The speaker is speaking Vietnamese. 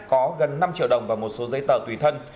có gần năm triệu đồng và một số giấy tờ tùy thân